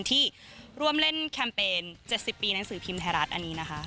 ที่ร่วมเล่นแคมเปญ๗๐ปีหนังสือพิมพ์ไทยรัฐอันนี้นะคะ